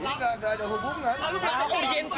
ini bisa pendekah hubungan ketika dia melakukan audiens